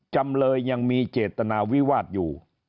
จำเลยยังมีเจตนาวิวาสอยู่